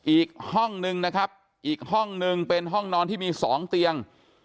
อีกห้องนึงนะครับอีกห้องนึงเป็นห้องนอนที่มี๒เตียง